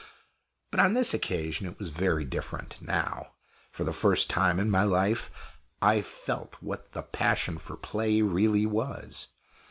But on this occasion it was very different now, for the first time in my life, I felt what the passion for play really was.